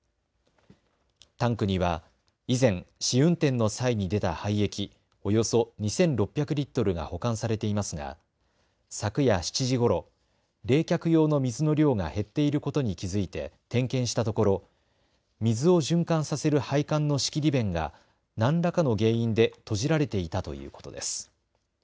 タンクには以前、試運転の際に出た廃液およそ２６００リットルが保管されていますが昨夜７時ごろ冷却用の水の量が減っていることに気付いて点検したところ水を循環させる配管の仕切り弁が何らかの原因で閉じられていたということです。